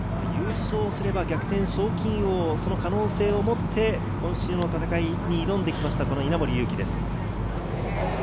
賞金王、その可能性を持って今週の戦いに挑んできました、稲森佑貴です。